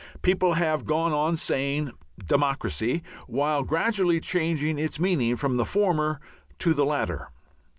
People have gone on saying "democracy," while gradually changing its meaning from the former to the latter.